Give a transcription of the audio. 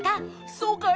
そうかい？